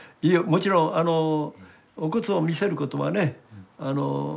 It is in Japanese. もちろんお骨を見せることはね